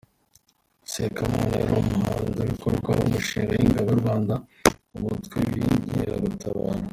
Sekamana yari Umuhuzabikorwa w’Imishinga y’Ingabo z’u Rwanda, Umutwe w’Inkeragutabara.